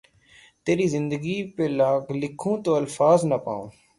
تیری زندگی پھ لکھوں تو الفاظ نہ پاؤں